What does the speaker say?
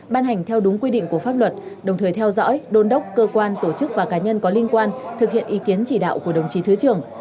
ban hành theo đúng quy định của pháp luật đồng thời theo dõi đôn đốc cơ quan tổ chức và cá nhân có liên quan thực hiện ý kiến chỉ đạo của đồng chí thứ trưởng